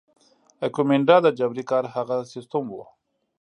ایکومینډا د جبري کار هغه سیستم وو.